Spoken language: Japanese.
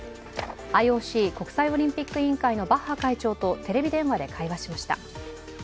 ＩＯＣ＝国際オリンピック委員会のバッハ会長とテレビ電話で会話しました。